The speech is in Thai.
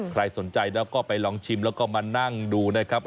ใครสนใจแล้วก็ไปลองชิมแล้วก็มานั่งดูนะครับ